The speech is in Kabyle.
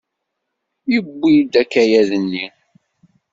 Yewwi-d akayad-nni.